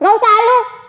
gak usah lu